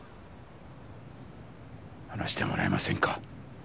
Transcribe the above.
話してもらえませんか？